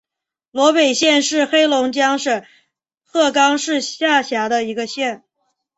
萝北县是黑龙江省鹤岗市下辖的一个县。